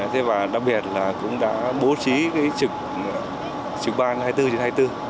thế và đặc biệt là cũng đã bố trí cái trực ban hai mươi bốn trên hai mươi bốn